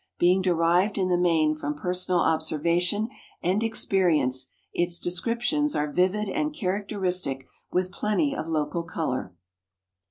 Being derived in the main from personal observation and experience, its descriptions are vivid and characteristic, with plenty of local color.